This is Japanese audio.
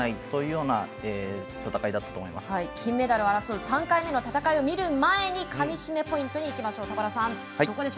そういうような金メダルを争う３回目の戦いを見る前にかみしめポイントにいきましょう